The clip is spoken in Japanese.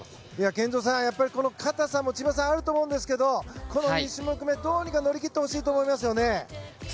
健三さん、硬さもあると思うんですけど２種目め、どうにか乗り切ってほしいですね。